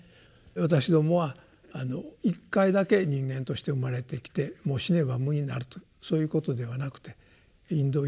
私どもは一回だけ人間として生まれてきてもう死ねば無になるというそういうことではなくてインド